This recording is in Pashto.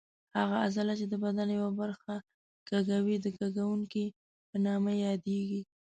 هغه عضله چې د بدن یوه برخه کږوي د کږوونکې په نامه یادېږي.